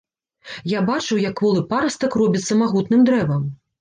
Я бачыў, як кволы парастак робіцца магутным дрэвам.